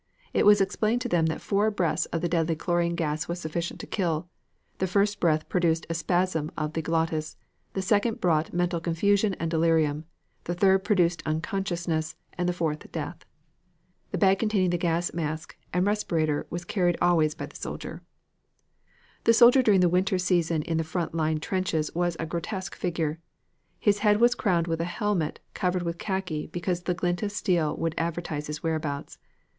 It was explained to them that four breaths of the deadly chlorine gas was sufficient to kill; the first breath produced a spasm of the glottis; the second brought mental confusion and delirium; the third produced unconsciousness; and the fourth, death. The bag containing the gas mask and respirator was carried always by the soldier. The soldier during the winter season in the front line trenches was a grotesque figure. His head was crowned with a helmet covered with khaki because the glint of steel would advertise his whereabouts.